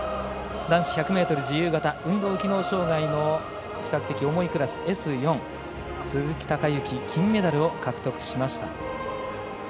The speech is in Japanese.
男子１００ｍ自由形運動機能障がいの比較的重いクラスＳ４、鈴木孝幸金メダルを獲得しました。